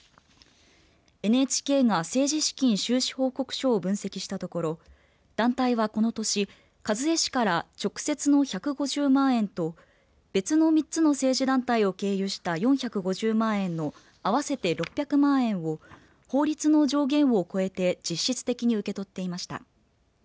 ＮＨＫが政治資金収支報告書を分析したところ団体は、この年、一衛氏から直接の１５０万円と別の３つの政治団体を経由した４５０万円の合わせて６００万円を法律の上限を超えて実質的に受け取っていました。